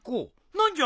何じゃ？